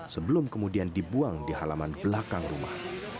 sebelum kemudian dibuang di halaman belakang rumah